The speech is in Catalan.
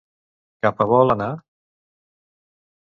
Cap a vol anar?